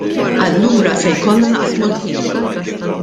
Allura se jkollna naqsmu l-ħin.